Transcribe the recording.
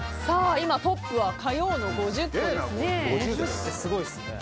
今、トップは火曜の５０個です。